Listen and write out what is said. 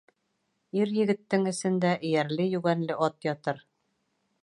Ир-егеттең эсендә эйәрле-йүгәнле ат ятыр.